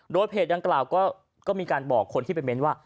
โดยเพจดังกล่าวก็มีการบอกคนที่ไปเน้นว่า